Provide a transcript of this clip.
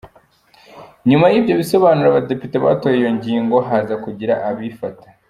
Nyuma y’ibyo bisobanuro, abadepite batoye iyo ngingo, haza kugira abifata.